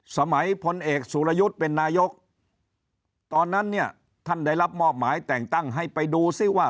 พลเอกสุรยุทธ์เป็นนายกตอนนั้นเนี่ยท่านได้รับมอบหมายแต่งตั้งให้ไปดูซิว่า